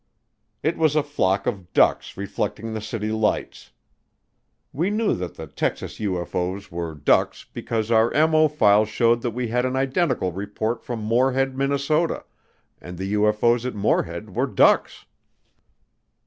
It was a flock of ducks reflecting the city lights. We knew that the Texas UFO's were ducks because our MO file showed that we had an identical report from Moorhead, Minnesota, and the UFO's at Moorhead were ducks.